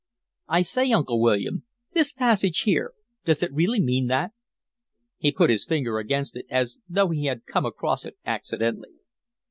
"I say, Uncle William, this passage here, does it really mean that?" He put his finger against it as though he had come across it accidentally.